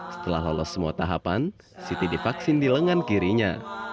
setelah lolos semua tahapan siti divaksin di lengan kirinya